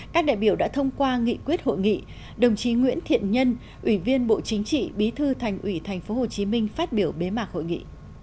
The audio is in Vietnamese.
các đại biểu đã thông qua nghị quyết hội nghị đồng chí nguyễn thiện nhân ủy viên bộ chính trị bí thư thành ủy tp hcm phát biểu bế mạc hội nghị